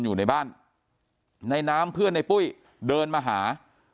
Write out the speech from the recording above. อยู่ในบ้านในน้ำเพื่อนในปุ้ยเดินมาหา